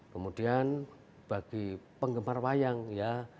kemudian bagi penggemar wayang ya